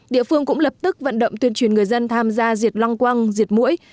địa phương cũng lập tức vận động tuyên truyền người dân tham gia diệt long quăng diệt mũi